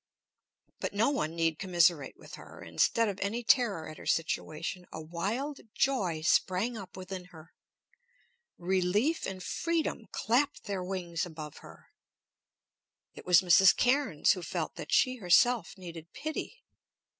But no one need commiserate with her. Instead of any terror at her situation a wild joy sprang up within her. Relief and freedom clapped their wings above her. It was Mrs. Cairnes who felt that she herself needed pity.